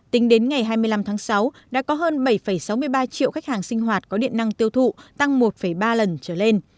tính đến ngày hai mươi năm tháng sáu đã có hơn bảy sáu mươi ba triệu khách hàng sinh hoạt có điện năng tiêu thụ tăng một ba lần trở lên